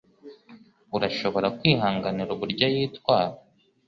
Urashobora kwihanganira uburyo yitwara?